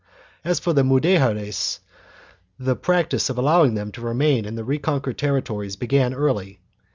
As for the Mudejares, the practice of allowing them to remain in the reconquered territories began early.